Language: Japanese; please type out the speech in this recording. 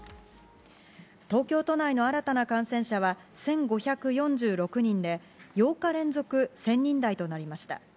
東京都内の新たな感染者は１５４６人で、８日連続１０００人台となりました。